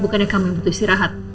bukannya kamu yang butuh istirahat